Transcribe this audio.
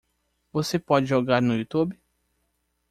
Você pode jogar no Youtube?